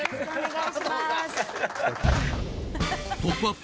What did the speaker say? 「ポップＵＰ！」